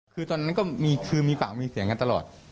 คือตอนนั้นก็คือมีปากมีเสียงกันตลอด